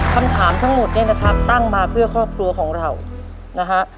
คำถามทั้งหมดเนี่ยนะครับตั้งมาเพื่อครอบครัวของเรานะฮะ